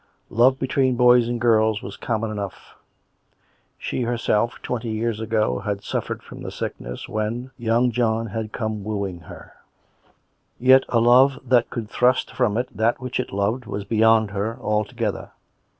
Love between boys and girls was common enough; she herself twenty years ago had suffered from the sickness when young John had come wooing her; yet a love that could thrust from it that which it loved, was beyond her altogether.